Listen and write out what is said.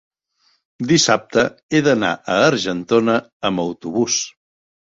dissabte he d'anar a Argentona amb autobús.